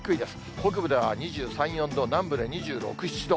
北部では２３、４度、南部で２６、７度。